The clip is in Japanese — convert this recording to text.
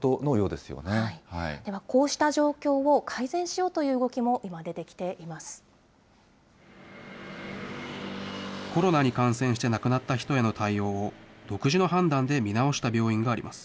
ではこうした状況を改善しようという動きも今、出てきていまコロナに感染して亡くなった人への対応を独自の判断で見直した病院があります。